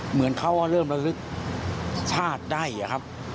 เหมือนเขาเริ่มระลึกชาติได้อะครับ